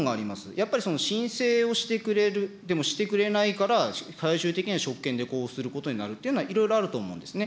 やっぱり申請をしてくれる、でもしてくれないから、最終的には職権で交付することになるとか、いろいろあると思うんですね。